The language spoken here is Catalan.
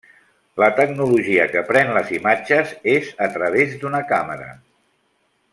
La tecnologia que pren les imatges és a través d'una càmera.